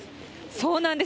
そうなんです。